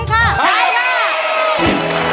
ใช่